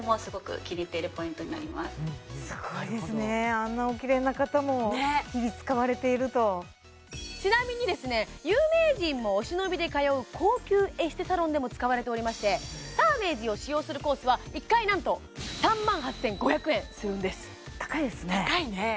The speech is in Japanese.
あんなおきれいな方も日々使われているとちなみにですね有名人もお忍びで通う高級エステサロンでも使われておりましては１回なんと３万８５００円するんです高いですね高いね